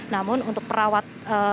namun untuk perawat